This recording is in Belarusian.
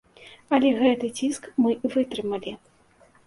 Але гэты ціск мы вытрымалі!